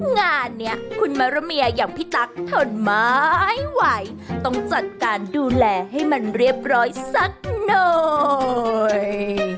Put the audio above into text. งานนี้คุณมารเมียอย่างพี่ตั๊กทนไม้ไหวต้องจัดการดูแลให้มันเรียบร้อยสักหน่อย